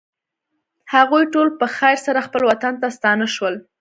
هغوی ټول په خیر سره خپل وطن ته ستانه شول.